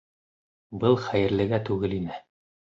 Был хәйерлегә түгел ине.